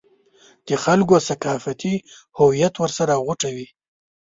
د خلکو ثقافتي هویت ورسره غوټه وي.